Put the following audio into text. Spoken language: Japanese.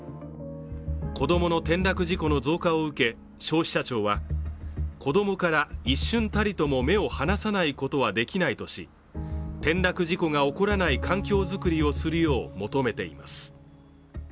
子供の転落事故の増加を受け、消費者庁は子供から一瞬たりとも目を離さないことはできないとし転落事故が起こらない環境作りをするよう求めています。